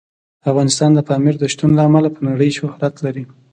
افغانستان د پامیر د شتون له امله په نړۍ شهرت لري.